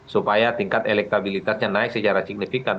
supaya tingkat elektabilitasnya naik secara signifikan